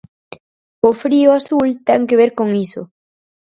O frío azul ten que ver con iso.